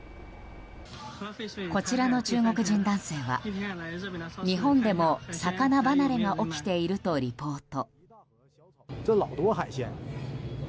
こちらの中国人男性は日本でも魚離れが起きているとリポート。